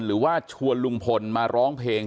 หรือว่าชวนลุงพลมาร้องเพลง